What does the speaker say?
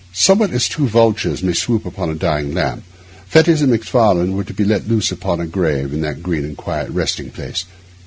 Somewhat as two vultures may swoop upon a dying lamb, Fettes and Macfarlane were to be let loose upon a grave in that green and quiet resting place.